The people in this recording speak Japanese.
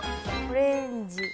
オレンジ。